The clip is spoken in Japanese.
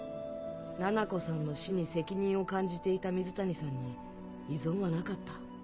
ななこさんの死に責任を感じていた水谷さんに異存はなかった。